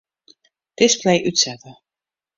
Display útsette.